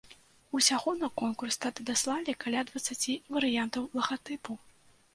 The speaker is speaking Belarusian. Усяго на конкурс тады даслалі каля дваццаці варыянтаў лагатыпу.